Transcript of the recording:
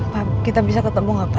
pak kita bisa ketemu nggak pak